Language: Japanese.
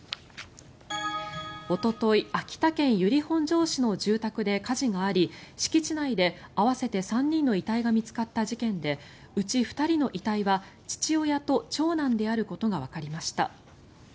おととい、秋田県由利本荘市の住宅で火事があり敷地内で合わせて３人の遺体が見つかった事件でうち２人の遺体は父親と長男であることがわかりました。